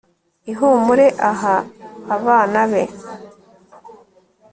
ihumure aha abana be